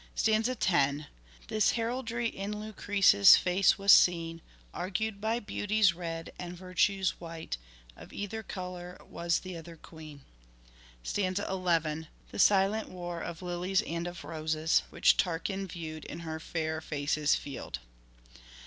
Stanza 10. "This heraldry in Lucrece 's face was seen, Argued by beauty's red and virtue's white Of either colour was the other queen." Stanza u. " This silent war of lilies and of roses, Which Tarquin view'd in her fair face's field."